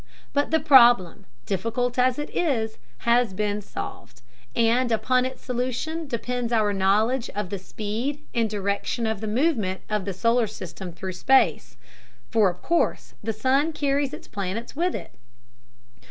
But the problem, difficult as it is, has been solved, and upon its solution depends our knowledge of the speed and direction of the movement of the solar system through space, for of course the sun carries its planets with it.